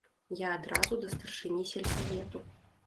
Я адразу да старшыні сельсавету.